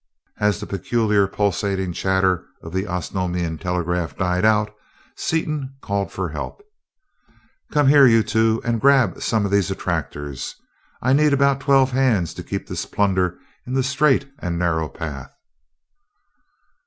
As the peculiar, pulsating chatter of the Osnomian telegraph died out, Seaton called for help. "Come here, you two, and grab some of these attractors. I need about twelve hands to keep this plunder in the straight and narrow path."